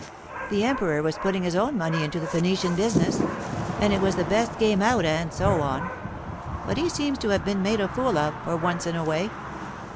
The Emperor was putting his own money into the Phoenician business, and it was the best game out, and so on. But he seems to have been made a fool of, for once in a way."